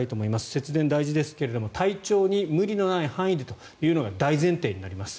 節電大事ですけれど体調に無理のない範囲でというのが大前提となります。